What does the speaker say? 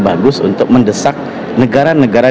bagus untuk mendesak negara negara